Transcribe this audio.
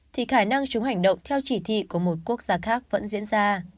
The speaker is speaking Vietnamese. thì khả năng chúng hành động theo chỉ thị của một quốc gia khác vẫn diễn ra